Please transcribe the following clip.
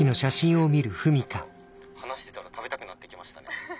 何か話してたら食べたくなってきました」。